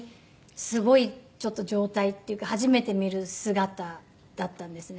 すごい状態っていうか初めて見る姿だったんですね。